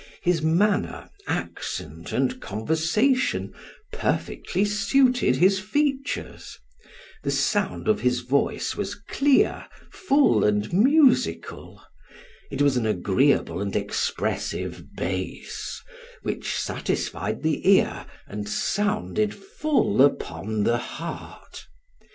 His manner, accent, and conversation, perfectly suited his features: the sound of his voice was clear, full and musical; it was an agreeable and expressive bass, which satisfied the ear, and sounded full upon the heart.